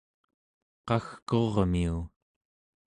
qagkurmiu